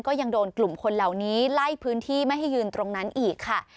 ก็ยังโดนกลุ่มคนเหล่านี้ไล่พื้นที่ไม่ให้ยืนตรงนั้นอีกค่ะ